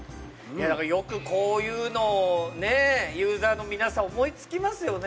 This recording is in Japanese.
よくこういうのをねユーザーの皆さん思いつきますよね。